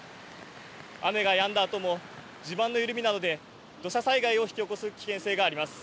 雨がやんだあとも地盤の緩みなどで土砂災害を引き起こす危険性があります。